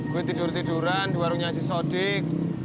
gue tidur tiduran di warung nyasi sodik